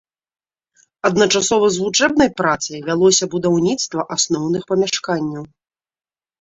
Адначасова з вучэбнай працай вялося будаўніцтва асноўных памяшканняў.